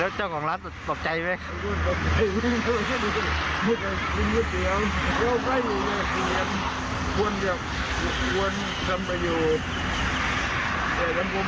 เจ้าของร้านตกใจไหม